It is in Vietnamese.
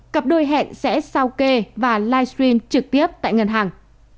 cặp đôi hẹn sẽ sao kê và livestream trực tiếp tại ngân hàng